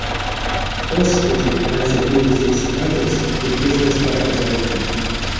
Осподи! — ансяк мерезевсь атясь ды пезнась тарказонзо.